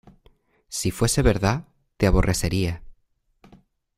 si fuese verdad, te aborrecería...